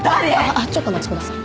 あっちょっとお待ちください。